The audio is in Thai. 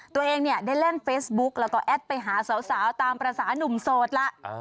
ตัวเองเนี่ยได้เล่นเฟซบุ๊กแล้วก็แอดไปหาสาวตามภาษานุ่มโสดล่ะ